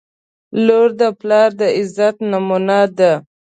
• لور د پلار د عزت نمونه ده.